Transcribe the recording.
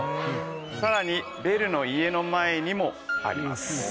さらにベルの家の前にもあります。